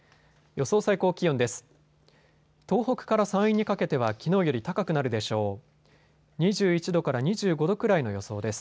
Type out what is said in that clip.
予想最高気温です。